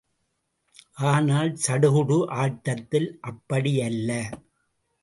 ஆனால், சடுகுடு ஆட்டத்தில் அப்படியல்ல.